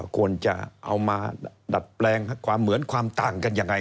ควรจะเอามาดัดแปลงความเหมือนความต่างกันยังไง